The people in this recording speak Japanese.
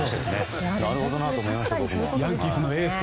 なるほどと思いました。